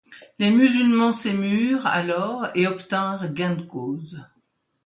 Les musulmans s'émurent alors et obtinrent gain de cause.